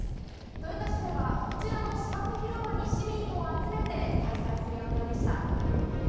豊田市ではこちらの芝生広場に市民を集めて開催する予定でした。